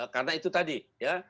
karena itu tadi ya